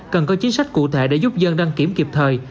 cần có chính sách cụ thể để giúp dân đăng kiểm kịp thời